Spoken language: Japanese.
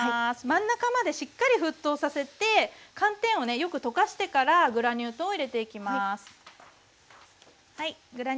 真ん中までしっかり沸騰させて寒天をねよく溶かしてからグラニュー糖を入れていきます。